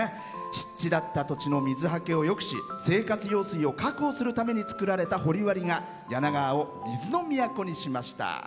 湿地だった土地の水はけをよくし生活用水を確保するためにつくられた掘割が柳川を水の都にしました。